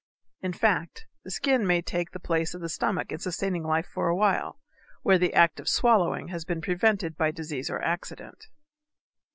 In fact, the skin may take the place of the stomach in sustaining life for awhile, where the act of swallowing has been prevented by disease or accident.